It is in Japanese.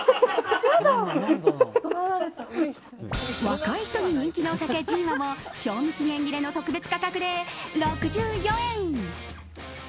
若い人に人気のお酒ジーマも賞味期限切れの特別価格で６４円。